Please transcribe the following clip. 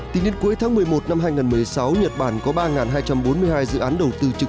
tính đến cuối tháng một mươi một năm hai nghìn một mươi sáu nhật bản có ba hai trăm bốn mươi hai dự án đầu tư trực